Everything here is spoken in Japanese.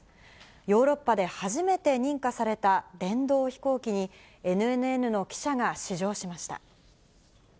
ヨーロッパで初めて認可された電動飛行機に、ＮＮＮの記者が試乗しました。